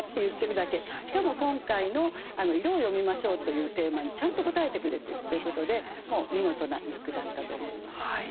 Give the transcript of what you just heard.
しかも今回の色を詠みましょうというテーマにちゃんと応えてくれてるっていうことで見事な一句だったと思います。